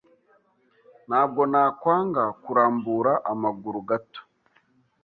Ntabwo nakwanga kurambura amaguru gato.